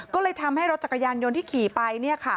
ก็เลยทำให้รถจักรยานยนต์ที่ขี่ไป